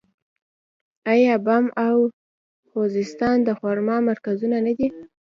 آیا بم او خوزستان د خرما مرکزونه نه دي؟